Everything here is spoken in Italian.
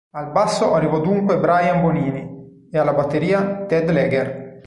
Al basso arrivò dunque Brian Bonini e alla batteria Ted Leger.